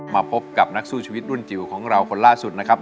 มาพบกับนักสู้ชีวิตรุ่นจิ๋วของเราคนล่าสุดนะครับ